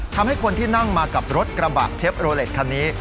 ทำให้คนที่นั่งมากับรถกระบะเชฟโรเล็ตคันนี้